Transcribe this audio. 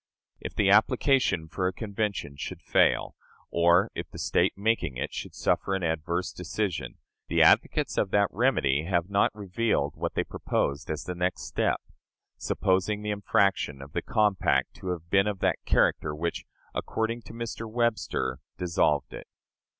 If the application for a convention should fail, or if the State making it should suffer an adverse decision, the advocates of that remedy have not revealed what they proposed as the next step supposing the infraction of the compact to have been of that character which, according to Mr. Webster, dissolved it.